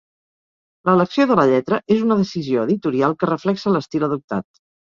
L'elecció de la lletra és una decisió editorial que reflexa l'estil adoptat.